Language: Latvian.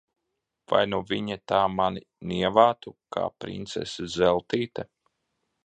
Vai nu viņa tā mani nievātu, kā princese Zeltīte!